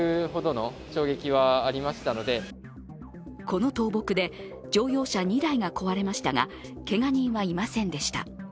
この倒木で乗用車２台が壊れましたがけが人はいませんでした。